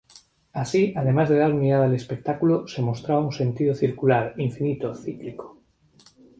Así, además de dar unidad al espectáculo, se mostraba un sentido circular, infinito, cíclico.